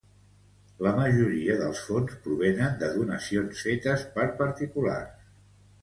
La majoria dels fons provenen de donacions fetes per particulars.